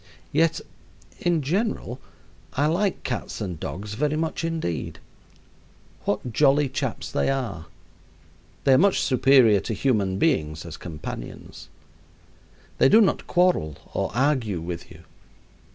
Yet, in general, I like cats and dogs very much indeed. What jolly chaps they are! They are much superior to human beings as companions. They do not quarrel or argue with you.